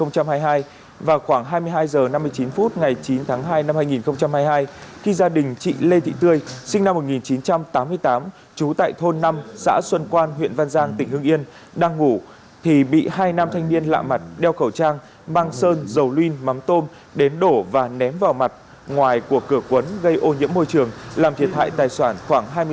công an huyện văn giang tỉnh hưng yên vừa làm rõ các đối tượng thực hiện hành vi